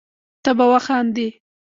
ته به وخاندي